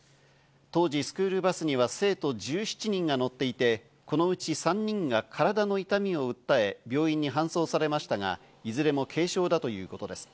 当時、スクールバスには生徒１７人が乗っていて、このうち３人が体の痛みを訴え病院に搬送されましたが、いずれも軽傷だということです。